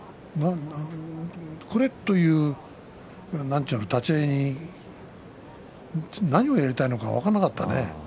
これという立ち合いに何をやりたいのか分からなかったね。